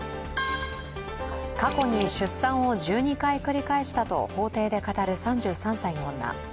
過去に出産を１２回繰り返したと法廷で語る３３歳の女。